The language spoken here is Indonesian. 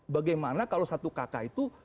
bagaimana kalau satu kakak itu